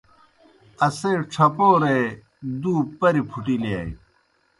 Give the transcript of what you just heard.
اسے ڇھپورے دُو پَریْ پُھٹِلِیانیْ۔